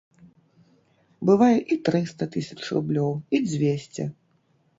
Бывае і трыста тысяч рублёў, і дзвесце!